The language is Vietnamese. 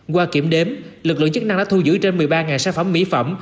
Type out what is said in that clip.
qua kiểm đếm lực lượng chức năng đã thu giữ trên một mươi ba sản phẩm mỹ phẩm